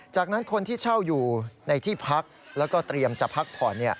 จากนั้นคนที่เช่าอยู่ในที่พักแล้วก็เตรียมจะพักผ่อน